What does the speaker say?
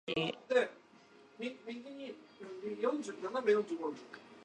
"New Ironsides", though not sunk, was damaged by the explosion.